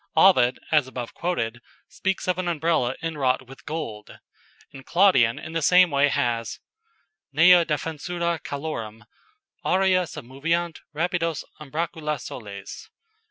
Ovid (as above quoted) speaks of an Umbrella inwrought with gold, and Claudian in the same way has: "Neu defensura calorem Aurea submoveant rapidos umbracula soles."